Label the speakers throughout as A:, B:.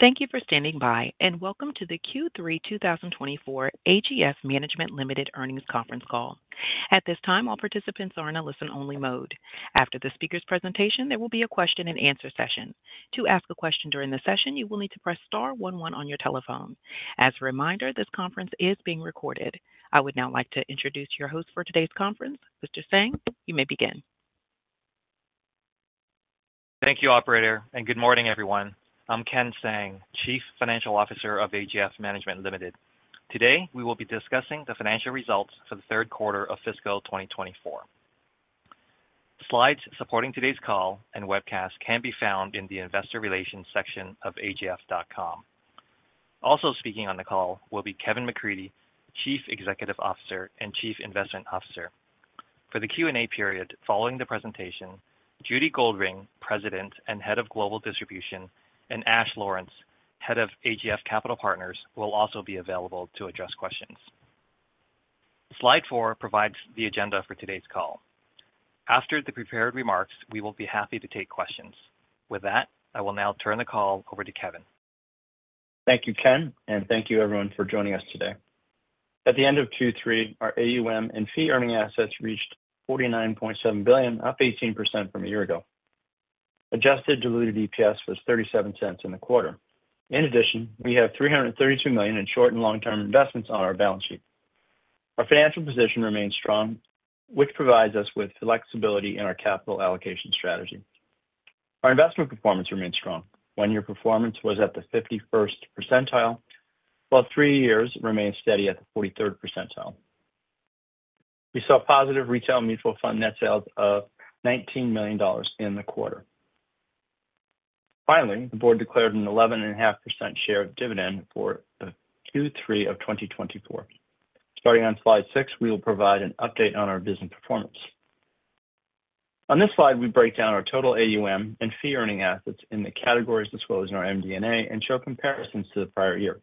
A: Thank you for standing by, and welcome to the Q3 2024 AGF Management Limited Earnings Conference Call. At this time, all participants are in a listen-only mode. After the speaker's presentation, there will be a question-and-answer session. To ask a question during the session, you will need to press star one one on your telephone. As a reminder, this conference is being recorded. I would now like to introduce your host for today's conference, Mr. Tsang. You may begin.
B: Thank you, operator, and good morning, everyone. I'm Ken Tsang, Chief Financial Officer of AGF Management Limited. Today, we will be discussing the financial results for the third quarter of fiscal 2024. Slides supporting today's call and webcast can be found in the investor relations section of agf.com. Also speaking on the call will be Kevin McCreadie, Chief Executive Officer and Chief Investment Officer. For the Q&A period following the presentation, Judy Goldring, President and Head of Global Distribution, and Ash Lawrence, Head of AGF Capital Partners, will also be available to address questions. Slide four provides the agenda for today's call. After the prepared remarks, we will be happy to take questions. With that, I will now turn the call over to Kevin.
C: Thank you, Ken, and thank you everyone for joining us today. At the end of Q3, our AUM and fee-earning assets reached 49.7 billion, up 18% from a year ago. Adjusted diluted EPS was 0.37 in the quarter. In addition, we have 332 million in short and long-term investments on our balance sheet. Our financial position remains strong, which provides us with flexibility in our capital allocation strategy. Our investment performance remains strong. One-year performance was at the 51st percentile, while three years remained steady at the 43rd percentile. We saw positive retail mutual fund net sales of 19 million dollars in the quarter. Finally, the board declared an 11.5% share of dividend for the Q3 of 2024. Starting on slide six, we will provide an update on our business performance. On this slide, we break down our total AUM and fee-earning assets in the categories disclosed in our MD&A and show comparisons to the prior year.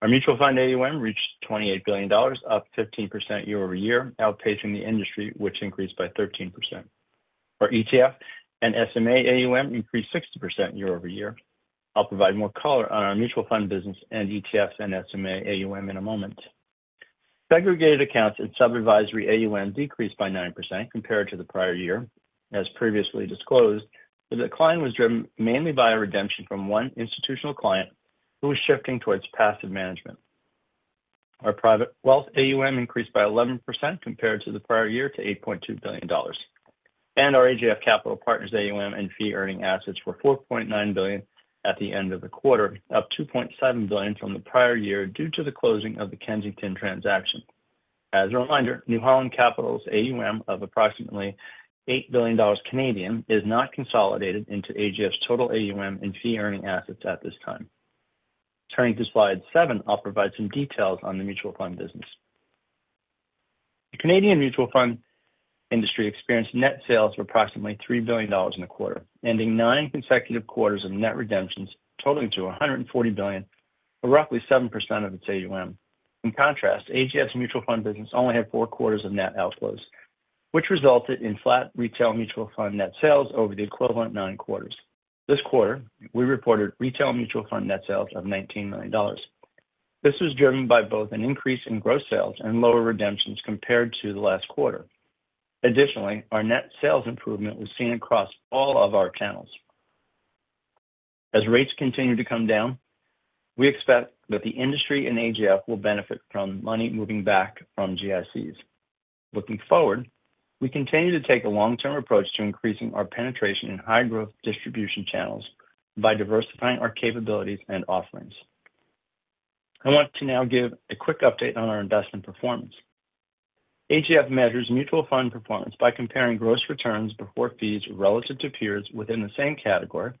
C: Our mutual fund AUM reached 28 billion dollars, up 15% year over year, outpacing the industry, which increased by 13%. Our ETF and SMA AUM increased 60% year over year. I'll provide more color on our mutual fund business and ETFs and SMA AUM in a moment. Segregated accounts and sub-advisory AUM decreased by 9% compared to the prior year. As previously disclosed, the decline was driven mainly by a redemption from one institutional client who was shifting towards passive management. Our private wealth AUM increased by 11% compared to the prior year to 8.2 billion dollars, and our AGF Capital Partners AUM and fee-earning assets were 4.9 billion at the end of the quarter, up 2.7 billion from the prior year due to the closing of the Kensington transaction. As a reminder, New Holland Capital's AUM of approximately 8 billion Canadian dollars is not consolidated into AGF's total AUM and fee-earning assets at this time. Turning to slide 7, I'll provide some details on the mutual fund business. The Canadian mutual fund industry experienced net sales of approximately 3 billion dollars in the quarter, ending 9 consecutive quarters of net redemptions totaling to 140 billion, or roughly 7% of its AUM. In contrast, AGF's mutual fund business only had four quarters of net outflows, which resulted in flat retail mutual fund net sales over the equivalent nine quarters. This quarter, we reported retail mutual fund net sales of 19 million dollars. This was driven by both an increase in gross sales and lower redemptions compared to the last quarter. Additionally, our net sales improvement was seen across all of our channels. As rates continue to come down, we expect that the industry and AGF will benefit from money moving back from GICs. Looking forward, we continue to take a long-term approach to increasing our penetration in high-growth distribution channels by diversifying our capabilities and offerings. I want to now give a quick update on our investment performance. AGF measures mutual fund performance by comparing gross returns before fees relative to peers within the same category,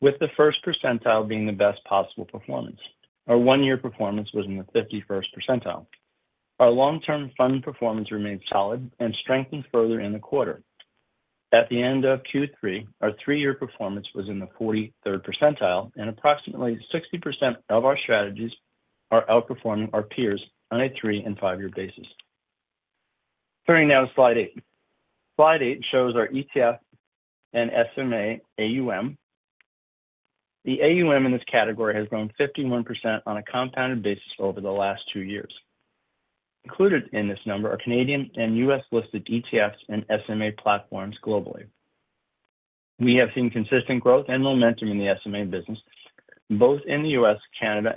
C: with the first percentile being the best possible performance. Our one-year performance was in the fifty-first percentile. Our long-term fund performance remained solid and strengthened further in the quarter. At the end of Q3, our three-year performance was in the forty-third percentile, and approximately 60% of our strategies are outperforming our peers on a three and five-year basis. Turning now to slide eight. Slide eight shows our ETF and SMA AUM. The AUM in this category has grown 51% on a compounded basis over the last two years. Included in this number are Canadian and U.S.-listed ETFs and SMA platforms globally. We have seen consistent growth and momentum in the SMA business, both in the U.S., Canada,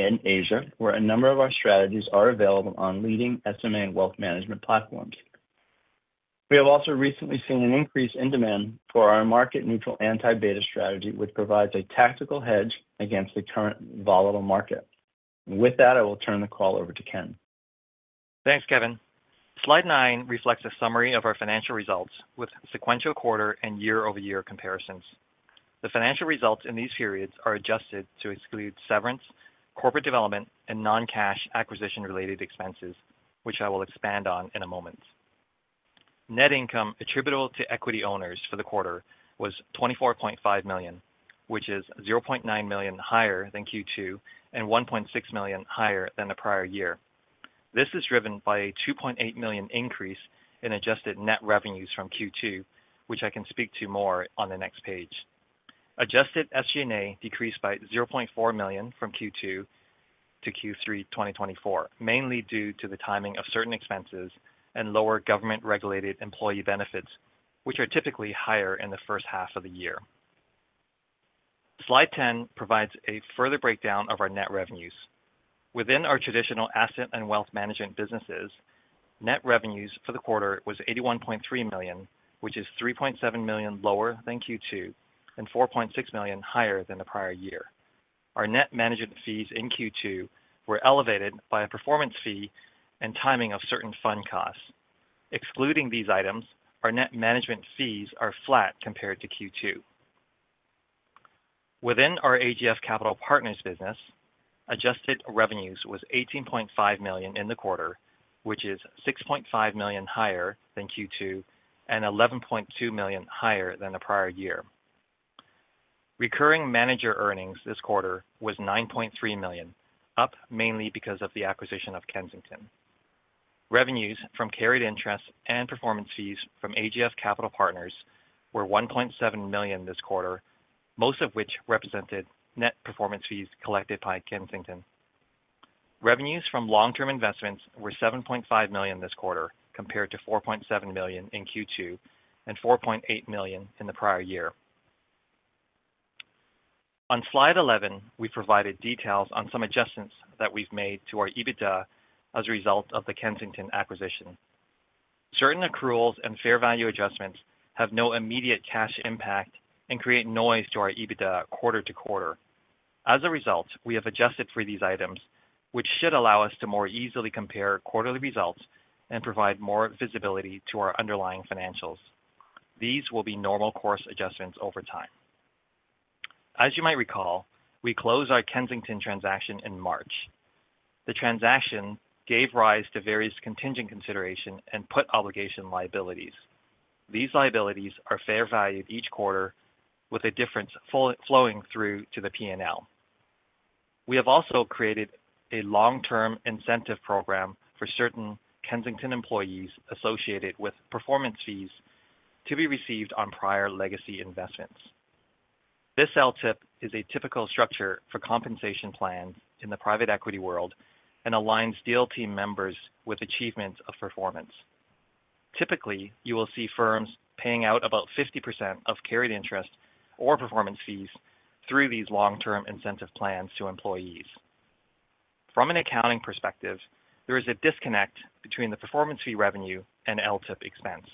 C: and in Asia, where a number of our strategies are available on leading SMA and wealth management platforms. We have also recently seen an increase in demand for our market-neutral anti-beta strategy, which provides a tactical hedge against the current volatile market. With that, I will turn the call over to Ken.
B: Thanks, Kevin. Slide nine reflects a summary of our financial results with sequential quarter and year-over-year comparisons. The financial results in these periods are adjusted to exclude severance, corporate development, and non-cash acquisition-related expenses, which I will expand on in a moment. Net income attributable to equity owners for the quarter was 24.5 million, which is 0.9 million higher than Q2 and 1.6 million higher than the prior year. This is driven by a 2.8 million increase in adjusted net revenues from Q2, which I can speak to more on the next page. Adjusted SG&A decreased by 0.4 million from Q2 to Q3 2024, mainly due to the timing of certain expenses and lower government-regulated employee benefits, which are typically higher in the first half of the year. Slide 10 provides a further breakdown of our net revenues. Within our traditional asset and wealth management businesses, net revenues for the quarter was 81.3 million, which is 3.7 million lower than Q2 and 4.6 million higher than the prior year. Our net management fees in Q2 were elevated by a performance fee and timing of certain fund costs. Excluding these items, our net management fees are flat compared to Q2. Within our AGF Capital Partners business, adjusted revenues was 18.5 million in the quarter, which is 6.5 million higher than Q2 and 11.2 million higher than the prior year. Recurring manager earnings this quarter was 9.3 million, up mainly because of the acquisition of Kensington. Revenues from carried interest and performance fees from AGF Capital Partners were 1.7 million this quarter, most of which represented net performance fees collected by Kensington. Revenues from long-term investments were 7.5 million this quarter, compared to 4.7 million in Q2 and 4.8 million in the prior year. On Slide 11, we provided details on some adjustments that we've made to our EBITDA as a result of the Kensington acquisition. Certain accruals and fair value adjustments have no immediate cash impact and create noise to our EBITDA quarter to quarter. As a result, we have adjusted for these items, which should allow us to more easily compare quarterly results and provide more visibility to our underlying financials. These will be normal course adjustments over time. As you might recall, we closed our Kensington transaction in March. The transaction gave rise to various contingent consideration and put obligation liabilities. These liabilities are fair valued each quarter with a difference fully flowing through to the P&L. We have also created a long-term incentive program for certain Kensington employees associated with performance fees to be received on prior legacy investments. This LTIP is a typical structure for compensation plans in the private equity world and aligns deal team members with achievements of performance. Typically, you will see firms paying out about 50% of carried interest or performance fees through these long-term incentive plans to employees. From an accounting perspective, there is a disconnect between the performance fee revenue and LTIP expense.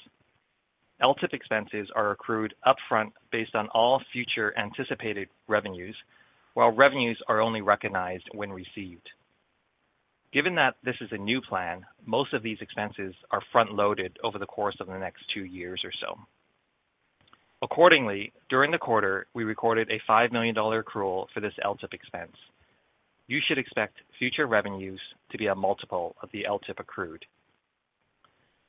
B: LTIP expenses are accrued upfront based on all future anticipated revenues, while revenues are only recognized when received. Given that this is a new plan, most of these expenses are front-loaded over the course of the next two years or so. Accordingly, during the quarter, we recorded a 5 million dollar accrual for this LTIP expense. You should expect future revenues to be a multiple of the LTIP accrued.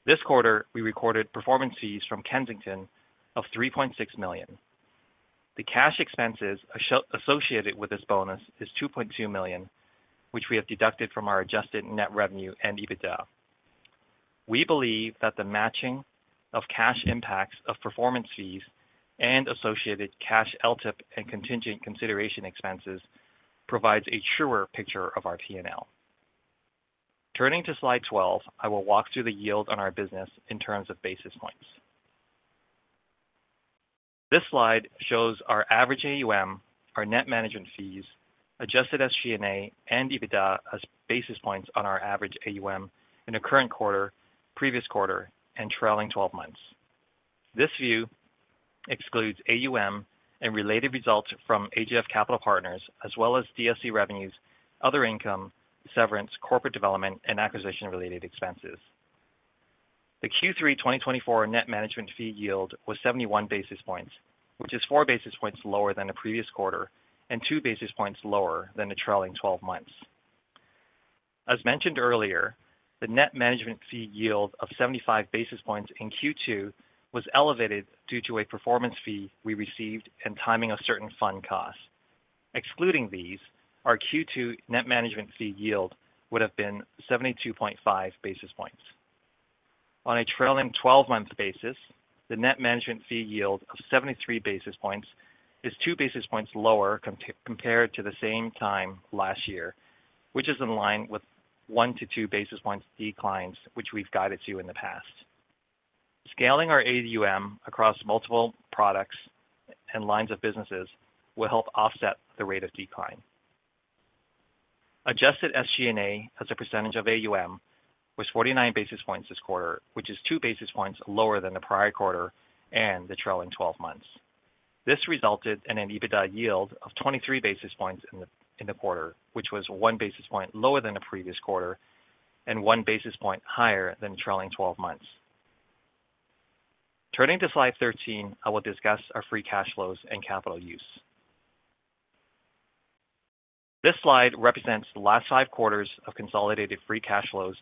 B: This quarter, we recorded performance fees from Kensington of 3.6 million. The cash expenses associated with this bonus is 2.2 million, which we have deducted from our adjusted net revenue and EBITDA. We believe that the matching of cash impacts of performance fees and associated cash LTIP and contingent consideration expenses provides a truer picture of our P&L. Turning to Slide 12, I will walk through the yield on our business in terms of basis points. This slide shows our average AUM, our net management fees, adjusted SG&A and EBITDA as basis points on our average AUM in the current quarter, previous quarter, and trailing twelve months. This view excludes AUM and related results from AGF Capital Partners, as well as DSC revenues, other income, severance, corporate development, and acquisition-related expenses. The Q3 2024 net management fee yield was 71 basis points, which is 4 basis points lower than the previous quarter and 2 basis points lower than the trailing twelve months. As mentioned earlier, the net management fee yield of 75 basis points in Q2 was elevated due to a performance fee we received and timing of certain fund costs. Excluding these, our Q2 net management fee yield would have been 72.5 basis points. On a trailing twelve-month basis, the net management fee yield of 73 basis points is 2 basis points lower compared to the same time last year, which is in line with one to two basis points declines, which we've guided you in the past. Scaling our AUM across multiple products and lines of businesses will help offset the rate of decline. Adjusted SG&A as a percentage of AUM was 49 basis points this quarter, which is two basis points lower than the prior quarter and the trailing 12 months. This resulted in an EBITDA yield of 23 basis points in the quarter, which was one basis point lower than the previous quarter and one basis point higher than trailing 12 months. Turning to Slide 13, I will discuss our free cash flows and capital use. This slide represents the last five quarters of consolidated free cash flows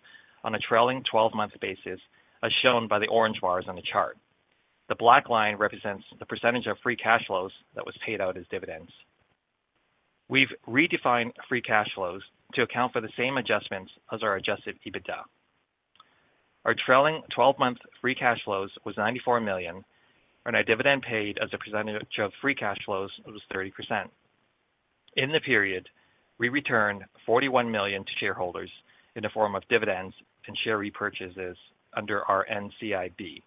B: on a trailing 12-month basis, as shown by the orange bars on the chart. The black line represents the percentage of free cash flows that was paid out as dividends.... We've redefined free cash flows to account for the same adjustments as our adjusted EBITDA. Our trailing twelve-month free cash flows was 94 million, and our dividend paid as a percentage of free cash flows was 30%. In the period, we returned 41 million to shareholders in the form of dividends and share repurchases under our NCIB.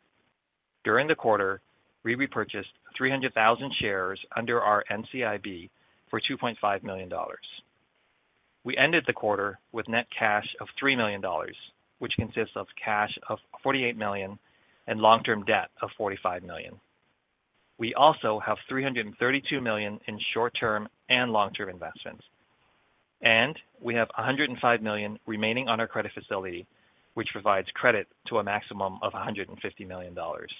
B: During the quarter, we repurchased 300,000 shares under our NCIB for 2.5 million dollars. We ended the quarter with net cash of 3 million dollars, which consists of cash of 48 million and long-term debt of 45 million. We also have 332 million in short-term and long-term investments, and we have 105 million remaining on our credit facility, which provides credit to a maximum of 150 million dollars.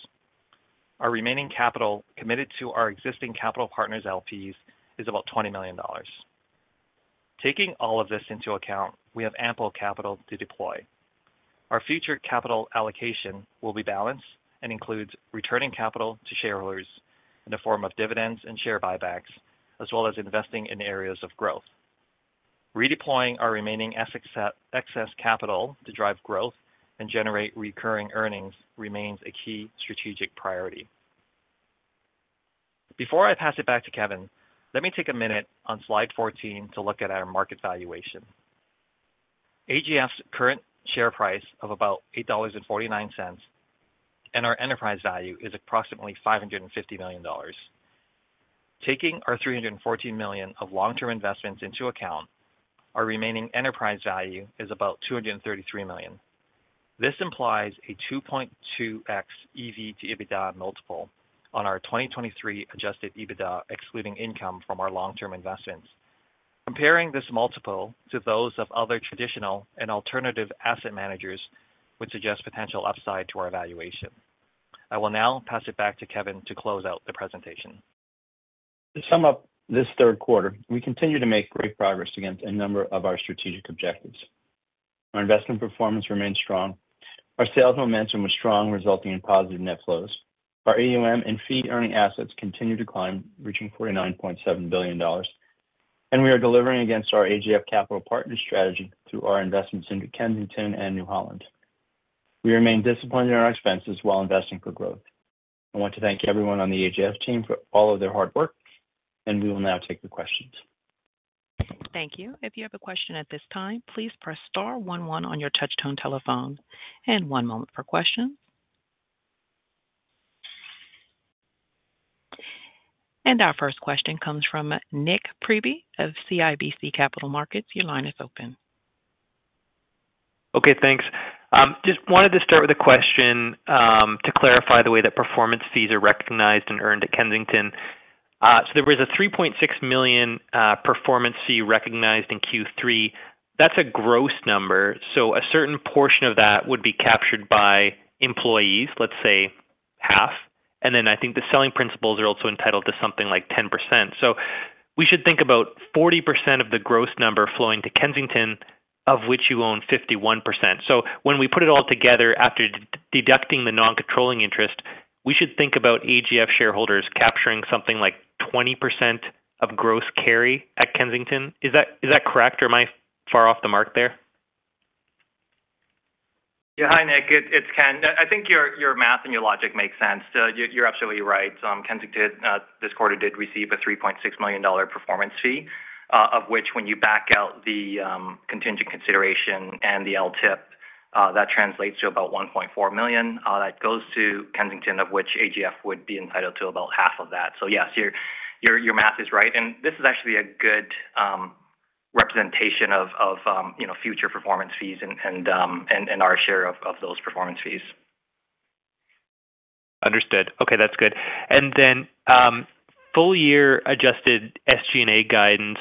B: Our remaining capital committed to our existing capital partners LPs is about 20 million dollars. Taking all of this into account, we have ample capital to deploy. Our future capital allocation will be balanced and includes returning capital to shareholders in the form of dividends and share buybacks, as well as investing in areas of growth. Redeploying our remaining excess capital to drive growth and generate recurring earnings remains a key strategic priority. Before I pass it back to Kevin, let me take a minute on slide 14 to look at our market valuation. AGF's current share price of about 8.49 dollars, and our enterprise value is approximately 550 million dollars. Taking our 314 million of long-term investments into account, our remaining enterprise value is about 233 million. This implies a 2.2x EV to EBITDA multiple on our 2023 adjusted EBITDA, excluding income from our long-term investments. Comparing this multiple to those of other traditional and alternative asset managers would suggest potential upside to our valuation. I will now pass it back to Kevin to close out the presentation. To sum up this third quarter, we continue to make great progress against a number of our strategic objectives. Our investment performance remains strong. Our sales momentum was strong, resulting in positive net flows. Our AUM and fee-earning assets continue to climb, reaching 49.7 billion dollars, and we are delivering against our AGF Capital Partners strategy through our investments into Kensington and New Holland. We remain disciplined in our expenses while investing for growth. I want to thank everyone on the AGF team for all of their hard work, and we will now take the questions.
A: Thank you. If you have a question at this time, please press star one one on your touchtone telephone, and one moment for questions. Our first question comes from Nik Priebe of CIBC Capital Markets. Your line is open.
D: Okay, thanks. Just wanted to start with a question, to clarify the way that performance fees are recognized and earned at Kensington. There was a 3.6 million performance fee recognized in Q3. That's a gross number, so a certain portion of that would be captured by employees, let's say half. Then I think the selling principals are also entitled to something like 10%. So we should think about 40% of the gross number flowing to Kensington, of which you own 51%. When we put it all together, after deducting the non-controlling interest, we should think about AGF shareholders capturing something like 20% of gross carry at Kensington. Is that correct, or am I far off the mark there?
B: Yeah. Hi, Nik, it's Ken. I think your math and your logic makes sense. You're absolutely right. Kensington, this quarter did receive a 3.6 million dollar performance fee, of which, when you back out the contingent consideration and the LTIP, that translates to about 1.4 million that goes to Kensington, of which AGF would be entitled to about CAD 0.7 million. Yes, your math is right, and this is actually a good representation of, you know, future performance fees and our share of those performance fees.
D: Understood. Okay, that's good. Then, full-year adjusted SG&A guidance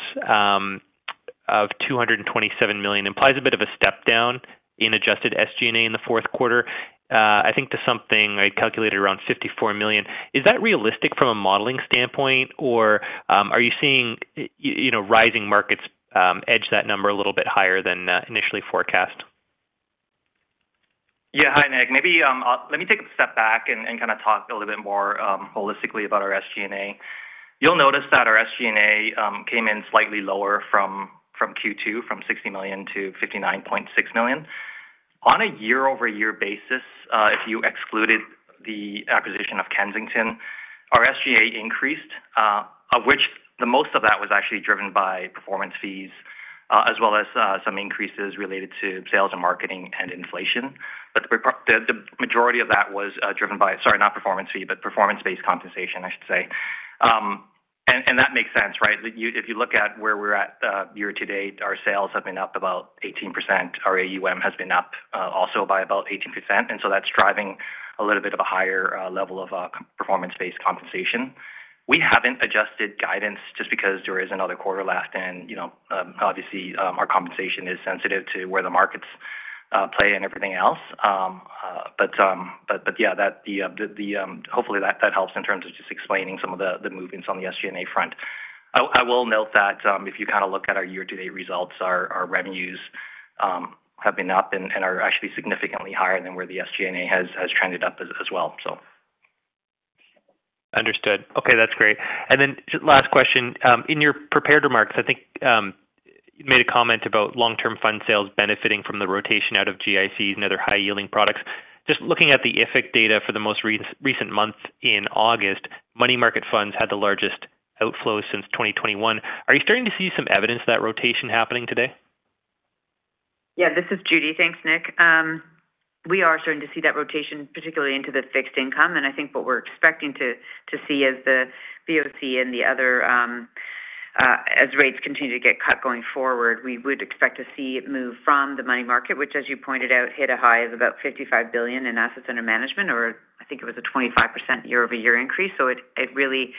D: of 227 million implies a bit of a step down in adjusted SG&A in the fourth quarter, I think to something I calculated around 54 million. Is that realistic from a modeling standpoint, or, are you seeing, you know, rising markets edge that number a little bit higher than, initially forecast?
B: Yeah. Hi, Nik. Maybe, let me take a step back and kind of talk a little bit more holistically about our SG&A. You'll notice that our SG&A came in slightly lower from Q2, from 60 million to 59.6 million. On a year-over-year basis, if you excluded the acquisition of Kensington, our SG&A increased, of which the most of that was actually driven by performance fees, as well as some increases related to sales and marketing and inflation. But the majority of that was driven by, sorry, not performance fee, but performance-based compensation, I should say. That makes sense, right? If you look at where we're at year to date, our sales have been up about 18%. Our AUM has been up also by about 18%, and so that's driving a little bit of a higher level of performance-based compensation. We haven't adjusted guidance just because there is another quarter left and obviously, our compensation is sensitive to where the markets play and everything else. But yeah, hopefully that helps in terms of just explaining some of the movements on the SG&A front. I will note that, if you kind of look at our year-to-date results, our revenues have been up and are actually significantly higher than where the SG&A has trended up as well, so.
D: Understood.
B: Okay, that's great.
D: Then last question. In your prepared remarks, I think, you made a comment about long-term fund sales benefiting from the rotation out of GICs and other high-yielding products. Just looking at the IFIC data for the most recent months in August, money market funds had the largest outflows since 2024. Are you starting to see some evidence of that rotation happening today?
E: Yeah, this is Judy. Thanks, Nik. We are starting to see that rotation, particularly into the fixed income, and I think what we're expecting to see as the BOC and the other, as rates continue to get cut going forward, we would expect to see it move from the money market, which, as you pointed out, hit a high of about 55 billion in assets under management, or I think it was a 25% year-over-year increase. So it really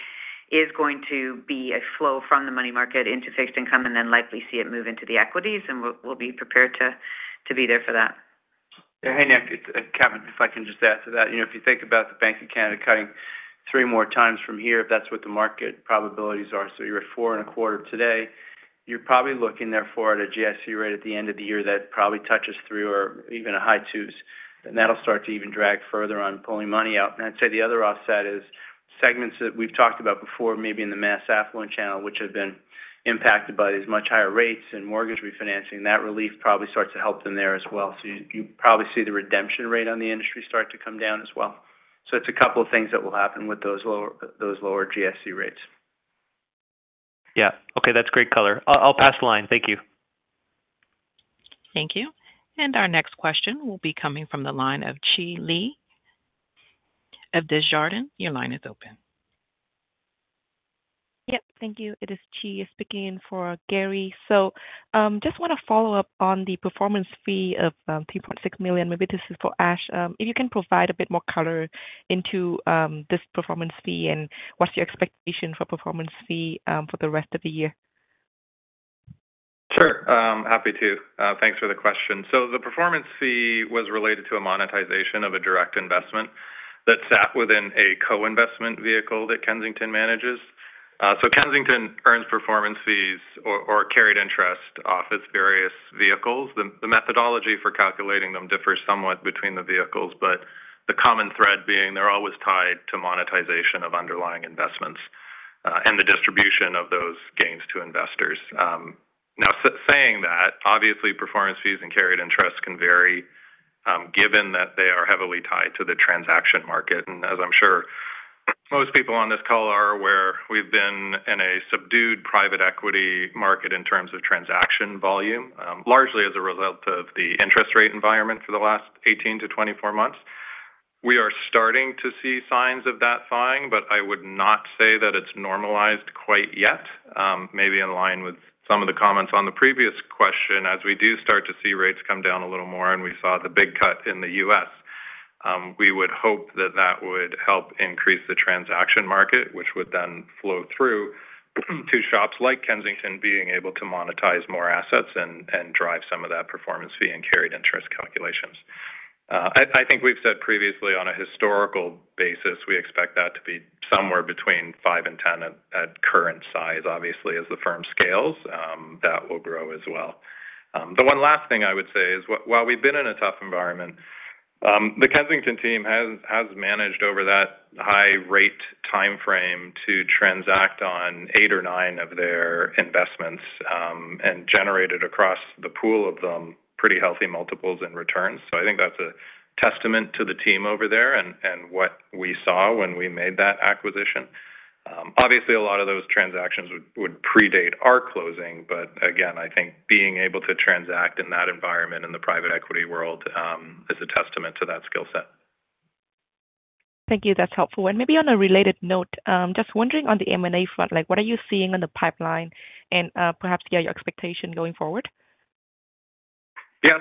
E: is going to be a flow from the money market into fixed income, and then likely see it move into the equities, and we'll be prepared to be there for that.
C: Yeah. Hey, Nik, it's Kevin, if I can just add to that. You know, if you think about the Bank of Canada cutting three more times from here, if that's what the market probabilities are, so you're at four and a quarter today, you're probably looking there for at a GIC rate at the end of the year that probably touches through or even a high twos, then that'll start to even drag further on pulling money out. I'd say the other offset is segments that we've talked about before, maybe in the mass affluent channel, which have been impacted by these much higher rates and mortgage refinancing, that relief probably starts to help them there as well. You probably see the redemption rate on the industry start to come down as well. It's a couple of things that will happen with those lower GIC rates.
D: Yeah. Okay, that's great color. I'll, I'll pass the line. Thank you.
A: Thank you. Our next question will be coming from the line of Chris Lee of Desjardins. Your line is open.
F: Yep, thank you. It is Chi speaking for Gary. Just want to follow up on the performance fee of 3.6 million. Maybe this is for Ash. If you can provide a bit more color into this performance fee and what's your expectation for performance fee for the rest of the year?
G: Happy to. Thanks for the question. The performance fee was related to a monetization of a direct investment that sat within a co-investment vehicle that Kensington manages. Kensington earns performance fees or carried interest off its various vehicles. The methodology for calculating them differs somewhat between the vehicles, but the common thread being they're always tied to monetization of underlying investments and the distribution of those gains to investors. Now, saying that, obviously performance fees and carried interest can vary, given that they are heavily tied to the transaction market, as I'm sure most people on this call are aware. We've been in a subdued private equity market in terms of transaction volume, largely as a result of the interest rate environment for the last 18-24 months. We are starting to see signs of that thawing, but I would not say that it's normalized quite yet. Maybe in line with some of the comments on the previous question, as we do start to see rates come down a little more, and we saw the big cut in the US, we would hope that that would help increase the transaction market, which would then flow through to shops like Kensington being able to monetize more assets and drive some of that performance fee and carried interest calculations. I think we've said previously, on a historical basis, we expect that to be somewhere between five and ten at current size. Obviously, as the firm scales, that will grow as well. The one last thing I would say is while we've been in a tough environment, the Kensington team has managed over that high rate timeframe to transact on eight or nine of their investments and generated across the pool of them pretty healthy multiples in returns. I think that's a testament to the team over there and what we saw when we made that acquisition. Obviously, a lot of those transactions would predate our closing, but again, I think being able to transact in that environment, in the private equity world, is a testament to that skill set.
F: Thank you. That's helpful. And maybe on a related note, just wondering on the M&A front, like, what are you seeing on the pipeline and, perhaps, yeah, your expectation going forward?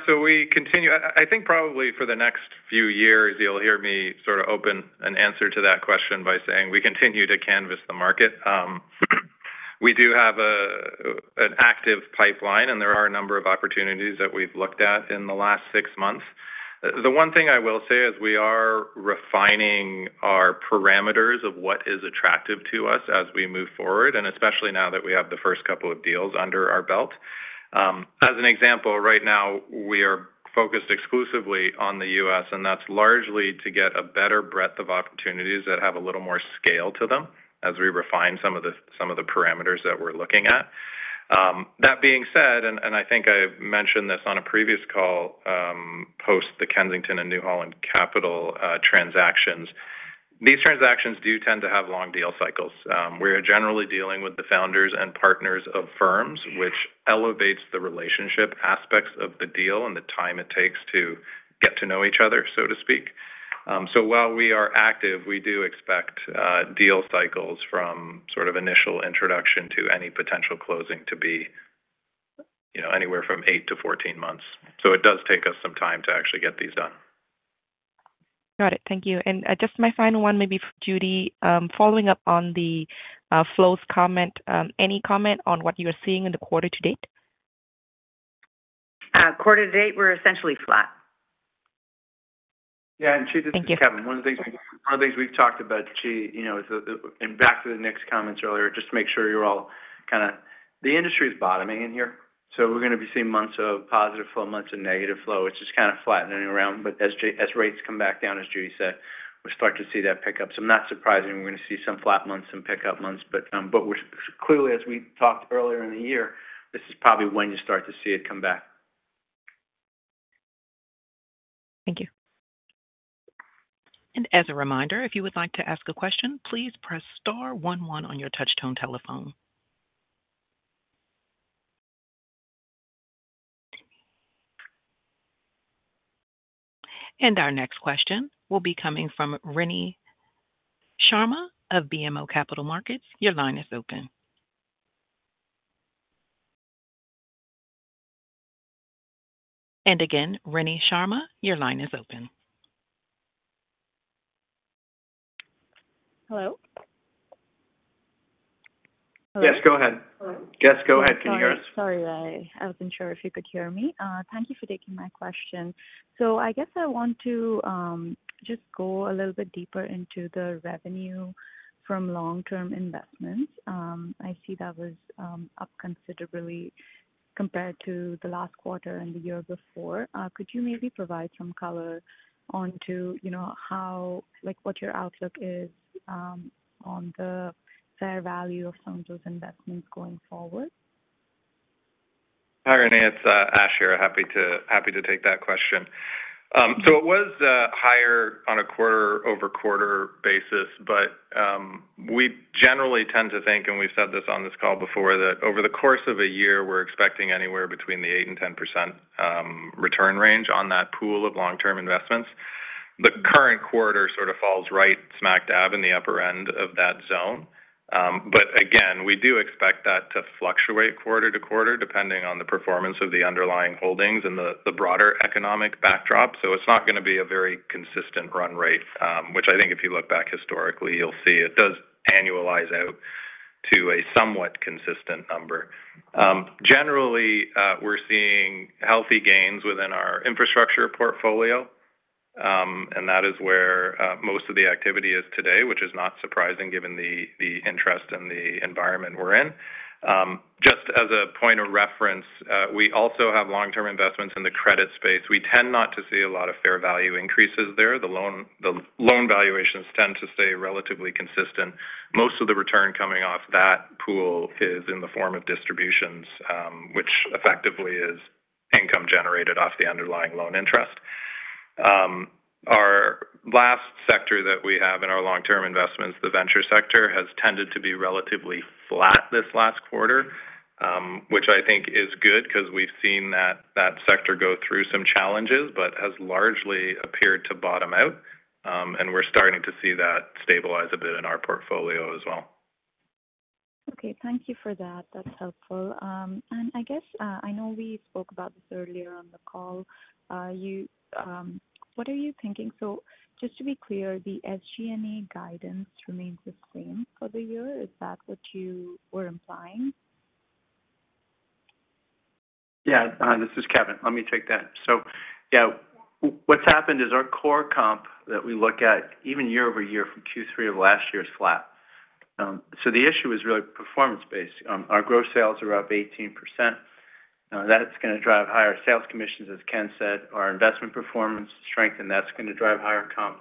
G: We continue. I think probably for the next few years, you'll hear me open an answer to that question by saying we continue to canvass the market. We do have an active pipeline, and there are a number of opportunities that we've looked at in the last six months. The one thing I will say is we are refining our parameters of what is attractive to us as we move forward, and especially now that we have the first couple of deals under our belt. As an example, right now we are focused exclusively on the US, and that's largely to get a better breadth of opportunities that have a little more scale to them as we refine some of the parameters that we're looking at. That being said, and I think I mentioned this on a previous call, post the Kensington and New Holland Capital transactions, these transactions do tend to have long deal cycles. We're generally dealing with the founders and partners of firms, which elevates the relationship aspects of the deal and the time it takes to get to know each other, so to speak. So while we are active, we do expect deal cycles from initial introduction to any potential closing to be, you know, anywhere from eight to 14 months. So it does take us some time to actually get these done.
F: Got it. Thank you. Just my final one, maybe for Judy. Following up on the flows comment, any comment on what you are seeing in the quarter to date?
E: Quarter to date, we're essentially flat.
C: This is Kevin. One of the things we've talked about, Chi, you know, is the, and back to Nik's comments earlier, just to make sure you're all kind of. The industry is bottoming in here. We're going to be seeing months of positive flow, months of negative flow, which is kind of flattening around. As rates come back down, as Judy said, we'll start to see that pick up. Not surprising, we're going to see some flat months and pick up months. But we're clearly, as we talked earlier in the year, this is probably when you start to see it come back.
B: Thank you.
A: As a reminder, if you would like to ask a question, please press star one one on your touch-tone telephone. Our next question will be coming from Rennie Sharma of BMO Capital Markets. Your line is open. Again, Rennie Sharma, your line is open.
H: Hello?
G: Yes, go ahead. Can you hear us?
H: Sorry, I wasn't sure if you could hear me. Thank you for taking my question. I want to just go a little bit deeper into the revenue from long-term investments. I see that was up considerably compared to the last quarter and the year before. Could you maybe provide some color on to how what your outlook is on the fair value of some of those investments going forward?
G: Hi, Rennie, it's Ash here. Happy to, happy to take that question. It was higher on a quarter-over-quarter basis, but we generally tend to think, and we've said this on this call before, that over the course of a year, we're expecting anywhere between 8% and 10% return range on that pool of long-term investments. The current quarter falls right smack dab in the upper end of that zone. Again, we do expect that to fluctuate quarter to quarter, depending on the performance of the underlying holdings and the broader economic backdrop. It's not going to be a very consistent run rate, which I think if you look back historically, you'll see it does annualize out to a somewhat consistent number. Generally, we're seeing healthy gains within our infrastructure portfolio, and that is where most of the activity is today, which is not surprising given the interest in the environment we're in. Just as a point of reference, we also have long-term investments in the credit space. We tend not to see a lot of fair value increases there. The loan valuations tend to stay relatively consistent. Most of the return coming off that pool is in the form of distributions, which effectively is income generated off the underlying loan interest. Our last sector that we have in our long-term investments, the venture sector, has tended to be relatively flat this last quarter, which I think is good because we've seen that sector go through some challenges, but has largely appeared to bottom out, and we're starting to see that stabilize a bit in our portfolio as well.
H: Okay, thank you for that. That's helpful. I guess I know we spoke about this earlier on the call. What are you thinking? So just to be clear, the SG&A guidance remains the same for the year. Is that what you were implying?
C: This is Kevin. Let me take that. What's happened is our core comp that we look at, even year over year from Q3 of last year, is flat. The issue is really performance-based. Our gross sales are up 18%. Now, that's going to drive higher sales commissions, as Ken said. Our investment performance strengthened, that's going to drive higher comp.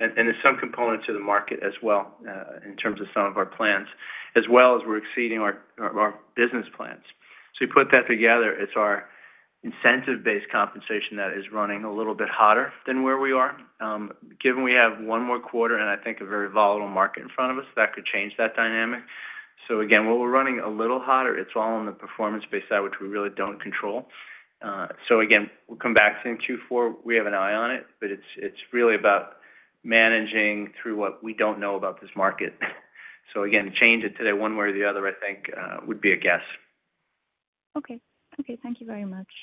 C: There's some components to the market as well, in terms of some of our plans, as well as we're exceeding our business plans. You put that together, it's our incentive-based compensation that is running a little bit hotter than where we are. Given we have one more quarter, and I think a very volatile market in front of us, that could change that dynamic. Again, while we're running a little hotter, it's all on the performance-based side, which we really don't control. Again, we'll come back same Q4. We have an eye on it, but it's really about managing through what we don't know about this market. Again, to change it today one way or the other, I think would be a guess.
H: Okay, thank you very much.